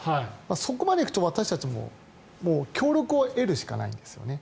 そこまで行くと、私たちも協力を得るしかないんですね。